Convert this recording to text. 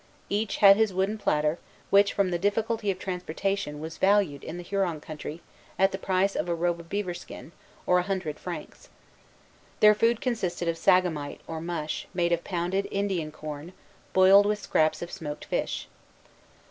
Each had his wooden platter, which, from the difficulty of transportation, was valued, in the Huron country, at the price of a robe of beaver skin, or a hundred francs. Their food consisted of sagamite, or "mush," made of pounded Indian corn, boiled with scraps of smoked fish.